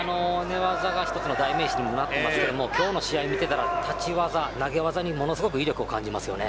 寝技が１つの代名詞にもなっていますが今日の試合を見ていたら立ち技、投げ技にもものすごく威力を感じますよね。